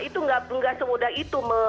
itu enggak semudah itu